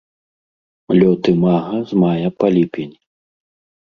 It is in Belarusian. Лёт імага з мая па ліпень.